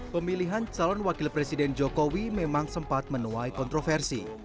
pemilihan calon wakil presiden jokowi memang sempat menuai kontroversi